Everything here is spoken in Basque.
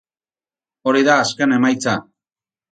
Hori da azken emaitza.